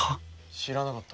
知らなかった。